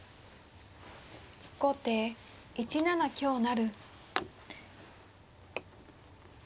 後手１七香成。